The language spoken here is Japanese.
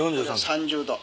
３０度。